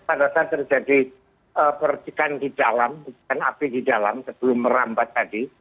pada saat terjadi percikan di dalam percikan api di dalam sebelum merambat tadi